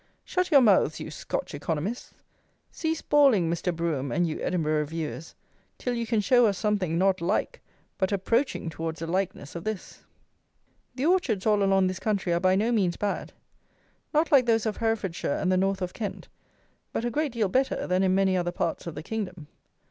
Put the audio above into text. Shut your mouths, you Scotch Economists; cease bawling, Mr. Brougham, and you Edinburgh Reviewers, till you can show us something, not like, but approaching towards a likeness of this! The orchards all along this country are by no means bad. Not like those of Herefordshire and the north of Kent; but a great deal better than in many other parts of the kingdom.